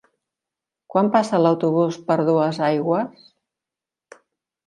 Quan passa l'autobús per Duesaigües?